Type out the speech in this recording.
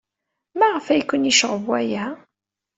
Maɣef ay ken-yecɣeb waya?